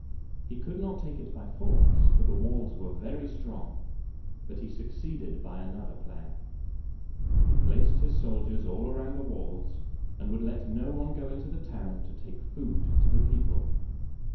He could not take it by force, for the walls were very strong, but he succeeded by another plan. He placed his soldiers all round the walls, and would let no one go into the town to take food to the people.